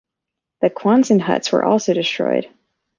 The Quonset Huts were also destroyed.